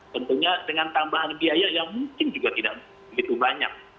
tentunya dengan tambahan biaya yang mungkin juga tidak begitu banyak